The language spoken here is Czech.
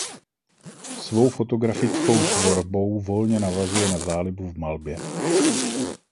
Svou fotografickou tvorbou volně navazuje na zálibu v malbě.